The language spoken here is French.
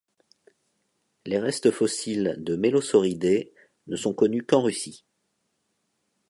Les restes fossiles de mélosauridés ne sont connus qu'en Russie.